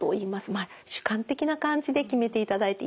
まあ主観的な感じで決めていただいていいと思います。